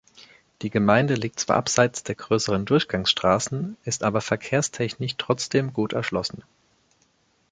Die Gemeinde liegt zwar abseits der grösseren Durchgangsstrassen, ist aber verkehrstechnisch trotzdem gut erschlossen.